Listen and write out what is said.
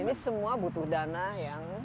ini semua butuh dana yang cukup besar ya